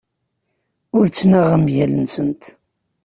Ur ttnaɣeɣ mgal-nsent.